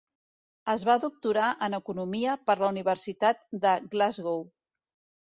Es va doctorar en economia per la Universitat de Glasgow.